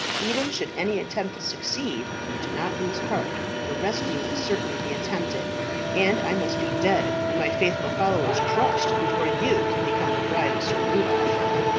Even should any attempt succeed, do not lose heart, for rescue will certainly be attempted; and I must be dead, and my faithful followers crushed, before you can become the bride of Sir Rudolph."